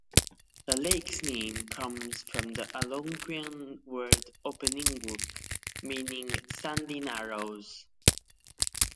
The lake's name comes from the Algonquian word "opeauwingauk" meaning "sandy narrows".